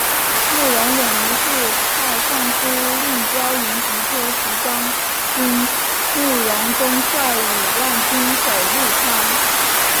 慕容永于是派尚书令刁云及车骑将军慕容钟率五万兵守潞川。